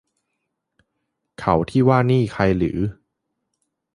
เขาที่ว่านี่ใครหรือ